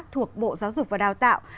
thuộc bộ giáo dục và đào tạo